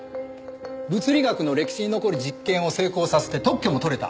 物理学の歴史に残る実験を成功させて特許も取れた。